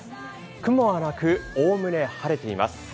雲はなく、おおむね晴れています。